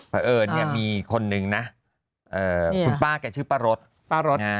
เพราะเอิญเนี่ยมีคนนึงนะคุณป้าแกชื่อป้ารสป้ารสไง